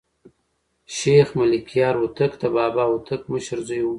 شېخ ملکیار هوتک د بابا هوتک مشر زوى وو.